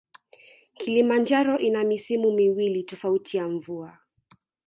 Kilimanjaro ina misimu miwili tofauti ya mvua